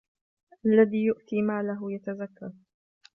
الذي يؤتي ماله يتزكى